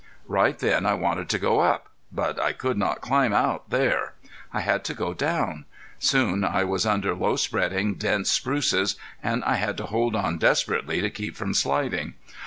Right then I wanted to go up! But I could not climb out there. I had to go down. Soon I was under low spreading, dense spruces, and I had to hold on desperately to keep from sliding.